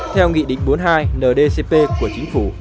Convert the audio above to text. theo nghị định bốn mươi hai ndcp của chính phủ